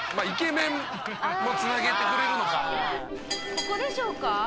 ここでしょうか？